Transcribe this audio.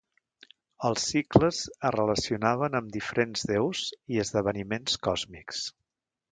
Els cicles es relacionaven amb diferents déus i esdeveniments còsmics.